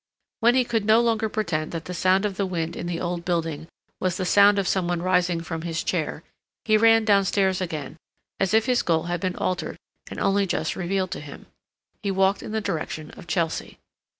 When he could no longer pretend that the sound of the wind in the old building was the sound of some one rising from his chair, he ran downstairs again, as if his goal had been altered and only just revealed to him. He walked in the direction of Chelsea.